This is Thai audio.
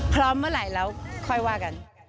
เมื่อไหร่แล้วค่อยว่ากัน